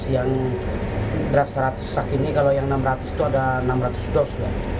yang beras seratus sak ini kalau yang enam ratus itu ada enam ratus dos